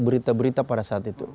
berita berita pada saat itu